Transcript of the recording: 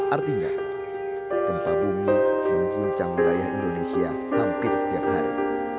artinya gempa bumi mengguncang wilayah indonesia hampir setiap hari